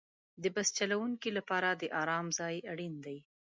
د بس چلوونکي لپاره د آرام ځای اړین دی.